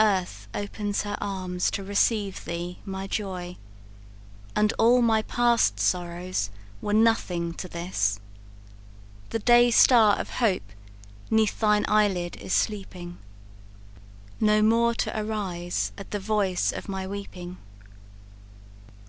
Earth opens her arms to receive thee, my joy, And all my past sorrows were nothing to this The day star of hope 'neath thine eye lid is sleeping, No more to arise at the voice of my weeping.